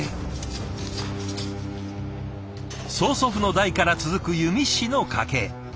曽祖父の代から続く弓師の家系。